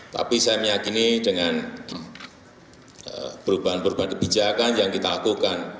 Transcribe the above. tapi saya meyakini dengan perubahan perubahan kebijakan yang kita lakukan